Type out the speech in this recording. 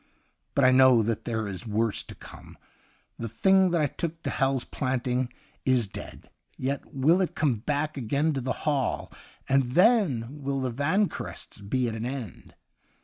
But I know that there is worse to come. The thing that I took to Hal's Planting is dead. Yet will it come back again to the Hall, and then will the Vanquerests be at an end.